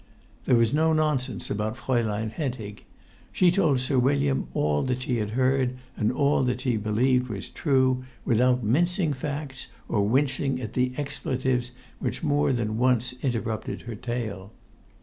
There was no nonsense about Fraulein Hentig. She told Sir William all that she had heard and all that she believed was true, without mincing facts or wincing at the expletives which more than once interrupted her tale.